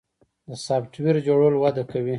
د سافټویر جوړول وده کوي